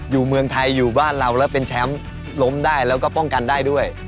เมืองไทยอยู่บ้านเราแล้วเป็นแชมป์ล้มได้แล้วก็ป้องกันได้ด้วย